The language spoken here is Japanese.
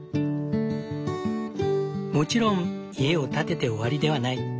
もちろん家を建てて終わりではない。